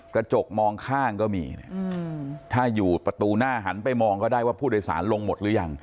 กระจกมองข้างก็มีเนี่ยถ้าอยู่ประตูหน้าหันไปมองก็ได้ว่าผู้โดยสารลงหมดหรือยัง